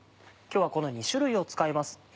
今日はこの２種類を使います。